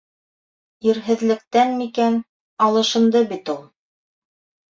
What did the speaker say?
- Ирһеҙлектән микән... алышынды бит ул!